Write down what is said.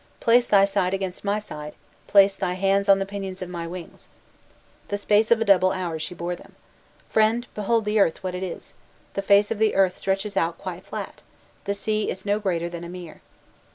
Place thy side against my side, place thy hands on the pinions of my wings.' The space of a double hour she bore him: 'Friend, behold the earth what it is. The face of the earth stretches out quite flat and the sea is no greater than a mere.